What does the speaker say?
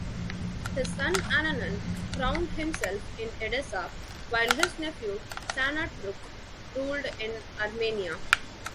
His son Ananun crowned himself in Edessa, while his nephew Sanatruk ruled in Armenia.